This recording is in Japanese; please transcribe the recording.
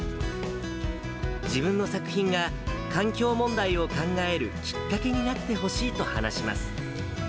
自分の作品が環境問題を考えるきっかけになってほしいと話します。